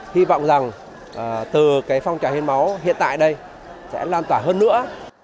hy vọng rằng từ phong trào hiến máu hiện tại đây sẽ lan tỏa hơn nữa